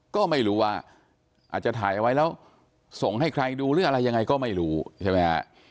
ก็ไม่รู้ว่าอาจจะถ่ายเอาไว้แล้วส่งให้ใครดูหรืออะไรยังไงก็ไม่รู้ใช่ไหมฮะ